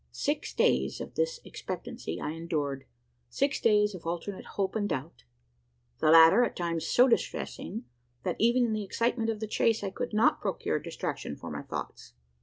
Six days of this expectancy I endured six days of alternate hope and doubt the latter at times so distressing, that even in the excitement of the chase I could not procure distraction for my thoughts!